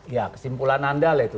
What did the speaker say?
ya kesimpulan anda lah itu